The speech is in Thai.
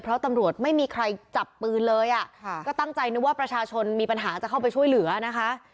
เพราะตำรวจไม่มีใครจับปืนเลยอ่ะค่ะก็ตั้งใจนึกว่าประชาชนมีปัญหาจะเข้าไปช่วยเหลือนะคะ